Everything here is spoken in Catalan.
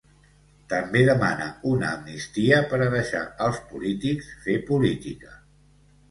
També demana una amnistia per a deixar als polítics ‘fer política’.